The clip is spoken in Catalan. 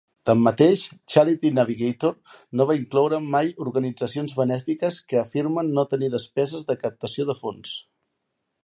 Tanmateix, Charity Navigator no va incloure mai organitzacions benèfiques que afirmen no tenir despeses de captació de fons.